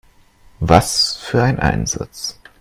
Was für ein Einsatz!